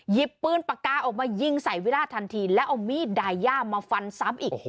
ปืนปากกาออกมายิงใส่วิราชทันทีแล้วเอามีดดายย่ามาฟันซ้ำอีก